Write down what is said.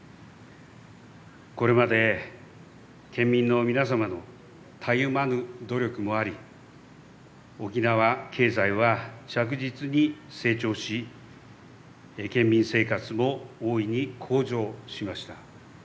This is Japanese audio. これまで、県民の皆様のたゆまぬ努力もあり沖縄経済は着実に成長し県民生活も大いに向上しました。